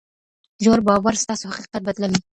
ژور باور ستاسو حقیقت بدلوي.